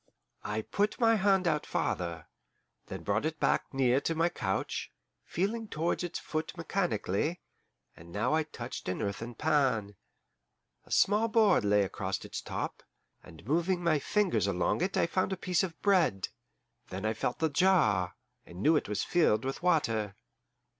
I put my hand out farther, then brought it back near to my couch, feeling towards its foot mechanically, and now I touched an earthen pan. A small board lay across its top, and moving my fingers along it I found a piece of bread. Then I felt the jar, and knew it was filled with water.